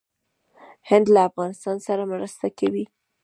هند له افغانستان سره مرسته کوي.